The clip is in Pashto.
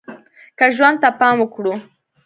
که ژوند ته پام وکړو